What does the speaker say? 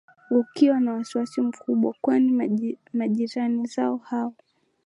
ukiwa na wasiwasi mkubwa kwani majirani zao hao